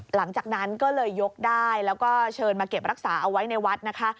หลังจากนั้นก็เลยยกได้แล้วก็เชิญมาเก็บรักษาเอาไว้ในวัดนะคะ